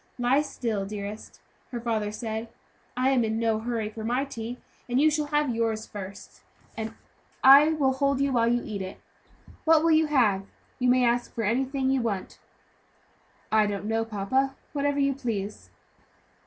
"Lie still, dearest," her father said. "I am in no hurry for my tea, so you shall have yours first, and I will hold you while you eat it. What will you have? You may ask for anything you want." "I don't know, papa; whatever you please."